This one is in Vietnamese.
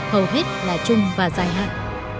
hầu hết là chung và dài hạn